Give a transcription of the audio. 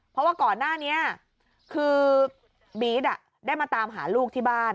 เพราะว่าก่อนหน้านี้คือบี๊ดได้มาตามหาลูกที่บ้าน